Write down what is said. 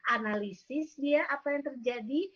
analisis dia apa yang terjadi